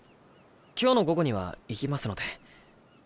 今日の午後には行きますので。